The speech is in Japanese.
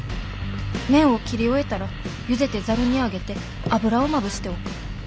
麺を切り終えたらゆでてざるにあげて油をまぶしておく。